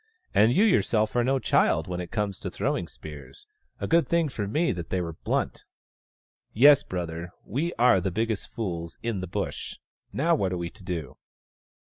" And you yourself are no child when it comes to throwing spears — a good thing for me that they were blunt. Yes, brother, we are the biggest fools in the Bush. Now what are we to do